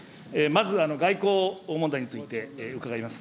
まず、外交問題について伺います。